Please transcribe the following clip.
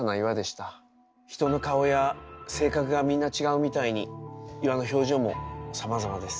人の顔や性格がみんな違うみたいに岩の表情もさまざまです。